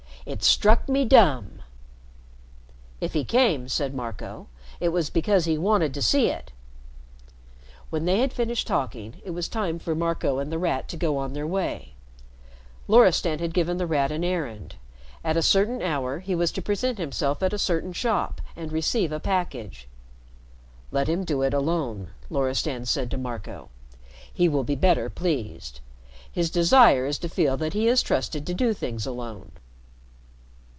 It struck me dumb." "If he came," said Marco, "it was because he wanted to see it." When they had finished talking, it was time for Marco and The Rat to go on their way. Loristan had given The Rat an errand. At a certain hour he was to present himself at a certain shop and receive a package. "Let him do it alone," Loristan said to Marco. "He will be better pleased. His desire is to feel that he is trusted to do things alone."